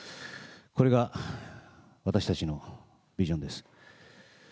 これが私たちのビジョンです。